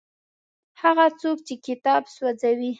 هغه څوک چې کتاب سوځوي.